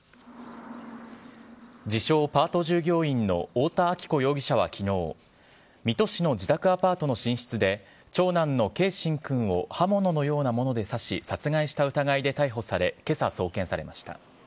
自称パート従業員の太田亜紀子容疑者はきのう、水戸市の自宅アパートの寝室で、長男の継真君を刃物のようなもので刺し、殺害した疑いで逮捕され、けさ、送検されました。